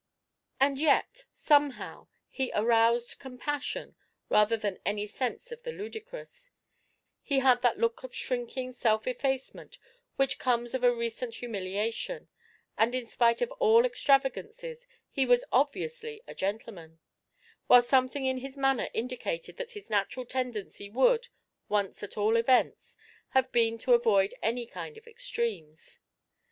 And yet, somehow, he aroused compassion rather than any sense of the ludicrous: he had that look of shrinking self effacement which comes of a recent humiliation, and, in spite of all extravagances, he was obviously a gentleman; while something in his manner indicated that his natural tendency would, once at all events, have been to avoid any kind of extremes.